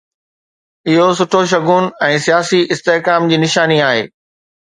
اهو سٺو شگون ۽ سياسي استحڪام جي نشاني آهي.